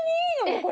これ。